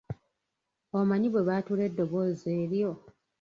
Omanyi bwe baatula eddoboozi eryo?